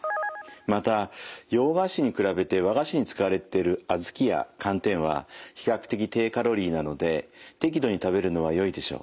また洋菓子に比べて和菓子に使われてる小豆や寒天は比較的低カロリーなので適度に食べるのはよいでしょう。